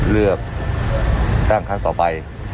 เลือกตั้งครั้งต่อไป